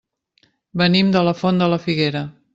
Venim de la Font de la Figuera.